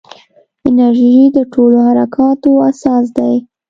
انرژي د ټولو حرکاتو اساس دی.